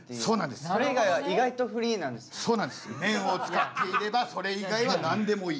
麺を使っていればそれ以外は何でもいい。